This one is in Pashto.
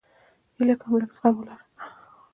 هیله کوم لږ زغم ولره